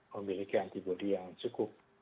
memiliki antibody yang cukup